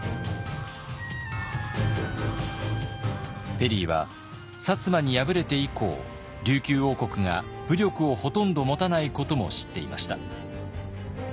ペリーは摩に敗れて以降琉球王国が武力をほとんど持たないことも知っていました。